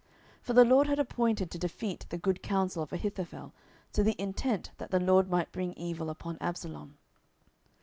For the LORD had appointed to defeat the good counsel of Ahithophel, to the intent that the LORD might bring evil upon Absalom.